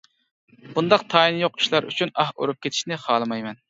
بۇنداق تايىنى يوق ئىشلار ئۈچۈن ئاھ ئۇرۇپ كېتىشنى خالىمايمەن.